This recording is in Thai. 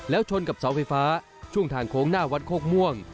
แล้วชนกับเสาไฟฟ้าช่วงทางโค้งหน้าวัดโคกม่วง